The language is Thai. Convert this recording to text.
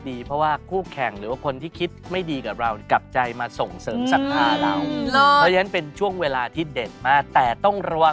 ต่อไปผู้ที่เกิดเดือนก๋อยอดกัญญาหยดขนุมานพระพมายลาภ